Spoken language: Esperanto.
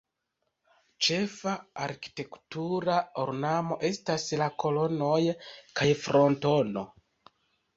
Ĉefa arkitektura ornamo estas la kolonoj kaj frontono.